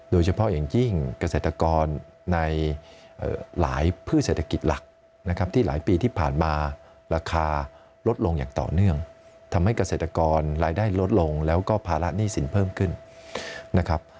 โดยเฉพาะอย่างยิ่งเกษตรกรในหลายพืชเศรษฐกิจหลักนะครับที่หลายปีที่ผ่านมาราคาลดลงอย่างต่อเนื่องทำให้เกษตรกรรายได้ลดลงแล้วก็ภาระหนี้สินเพิ่มขึ้นนะครับ